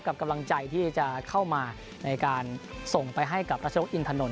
กับกำลังใจที่จะเข้ามาในการไปให้กับรัศนกอิทโนต